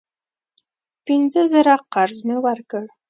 پینځه زره قرض مې ورکړ.